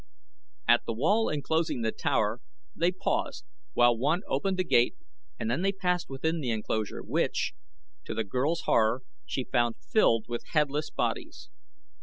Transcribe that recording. At the wall enclosing the tower they paused while one opened the gate and then they passed within the enclosure, which, to the girl's horror, she found filled with headless bodies.